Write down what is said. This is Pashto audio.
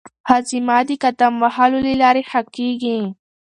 هاضمه د قدم وهلو له لارې ښه کېږي.